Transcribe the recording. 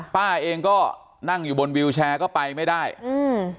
ป้าเองก็นั่งอยู่บนวิวแชร์ก็ไปไม่ได้อืม